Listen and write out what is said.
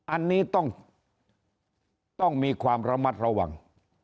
อันนี้ต้องมีความระมัดระวัง